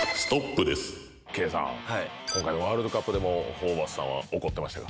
圭さん、今回ワールドカップでもホーバスさんは怒ってましたか？